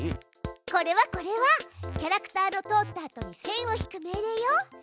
これはこれはキャラクターの通ったあとに線を引く命令よ。